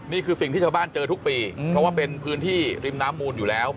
นี่คือสิ่งที่ชาวบ้านเจอทุกปีเพราะว่าเป็นพื้นที่ริมน้ำมูลอยู่แล้ว